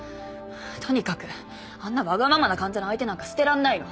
とにかくあんなわがままな患者の相手なんかしてらんないの。